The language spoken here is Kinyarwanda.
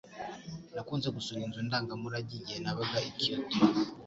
Nakunze gusura inzu ndangamurage igihe nabaga i Kyoto.